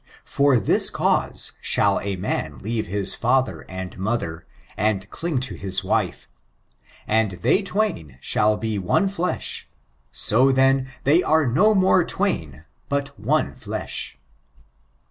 Forthb cause shall a man leave his father and mother, and cleave to hia wife; and they twain shall be one flesh : so, then, they are no more twain, but one flesh."